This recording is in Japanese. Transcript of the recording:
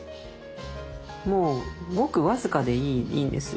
もうごく僅かでいいんですよ